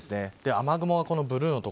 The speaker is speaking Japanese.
雨雲がブルーの所。